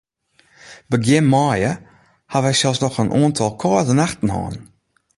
Begjin maaie ha wy sels noch in oantal kâlde nachten hân.